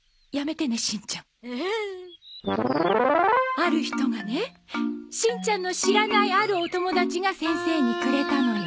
ある人がねしんちゃんの知らないあるお友達が先生にくれたのよ。